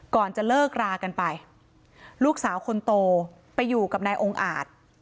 ก่อนจะเลิกรากันไปลูกสาวคนโตไปอยู่กับนายองค์อาจ